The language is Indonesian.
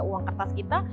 uang kertas kita